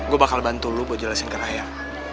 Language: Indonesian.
gue bakal bantu loe buat jelasin ke ayah